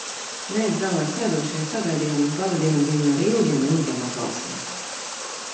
Mēs, zālē sēdošie, sagaidījām un pavadījām viņu ar ilgiem, ilgiem aplausiem.